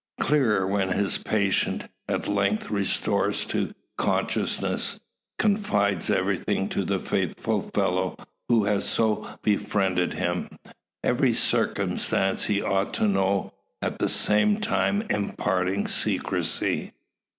Clearer when his patient, at length restored to consciousness, confides everything to the faithful fellow who has so befriended him. Every circumstance he ought to know, at the same time imparting secrecy.